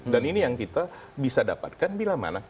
dan ini yang kita bisa dapatkan bila mana